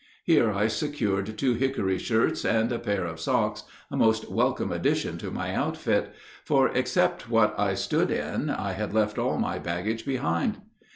Here I secured two hickory shirts and a pair of socks, a most welcome addition to my outfit; for, except what I stood in, I had left all my baggage behind.